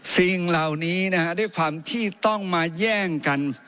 สิ่งเหล่านี้นะฮะด้วยความที่ต้องมาแย่งกัน